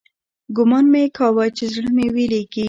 ګومان مې کاوه چې زړه مې ويلېږي.